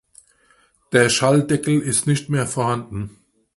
Der Schalldeckel ist nicht mehr vorhanden.